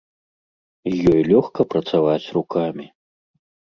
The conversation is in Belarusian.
З ёй лёгка працаваць рукамі.